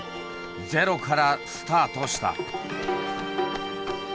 ゼロからスタートした。